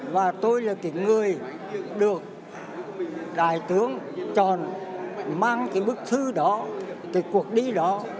và tôi là người đại tướng chọn mang cái bức thư đó các cuộc đi đó